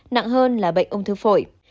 nặng hơn là bệnh ung thư phổi